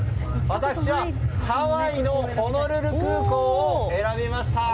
私は、ハワイのホノルル空港を選びました。